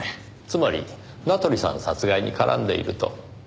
つまり名取さん殺害に絡んでいると？